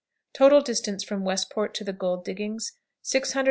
Total distance from Westport to the gold diggings, 685 1/4 miles.